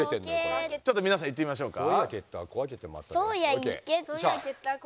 ちょっとみなさん言ってみましょうか。